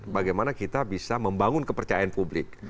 bagaimana kita bisa membangun kepercayaan publik